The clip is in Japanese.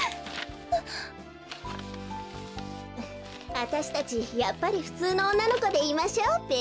あたしたちやっぱりふつうのおんなのこでいましょうべ。